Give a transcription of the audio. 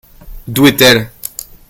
D'où est-elle ?